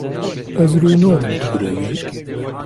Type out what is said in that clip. Ez rê nadim tu birevî.